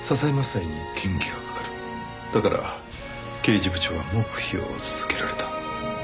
だから刑事部長は黙秘を続けられた。